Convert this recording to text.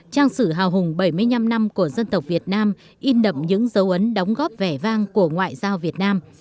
trang sử hào hùng bảy mươi năm năm của dân tộc việt nam in đậm những dấu ấn đóng góp vẻ vang của ngoại giao việt nam